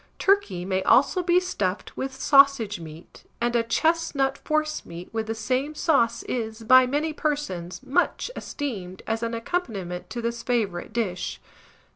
Turkey may also be stuffed with sausage meat, and a chestnut forcemeat with the same sauce is, by many persons, much esteemed as an accompaniment to this favourite dish.